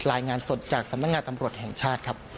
รายงานสดจากสำนักงานตำรวจแห่งชาติครับ